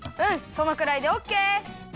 そのくらいでオッケー！